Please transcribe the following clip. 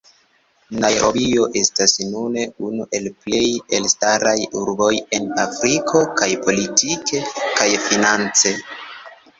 Najrobio estas nune unu el plej elstaraj urboj en Afriko, kaj politike kaj finance.